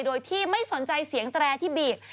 โดยที่ไม่สนใจเสียงแตรที่บีบ